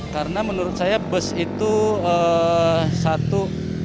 karena menurut saya bus itu satu